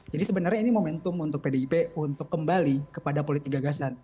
jadi sebenarnya ini momentum untuk pdip untuk kembali kepada politik gagasan